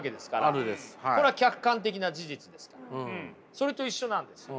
それと一緒なんですよ。